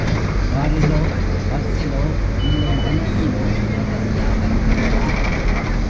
காரிலோ, பஸ்ஸிலோ, இல்லை வண்டியிலோ வசதியாகச் செல்லலாம்.